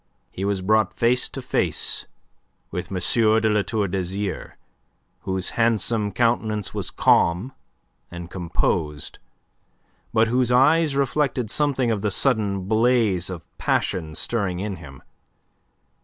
He was brought face to face with M. de La Tour d'Azyr, whose handsome countenance was calm and composed, but whose eyes reflected something of the sudden blaze of passion stirring in him.